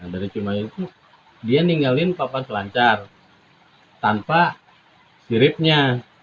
dia meninggalkan papan selancar tanpa siripnya